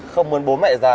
không muốn bố mẹ già